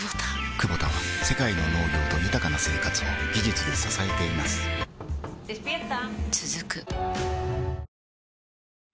クボタは世界の農業と豊かな生活を技術で支えています起きて。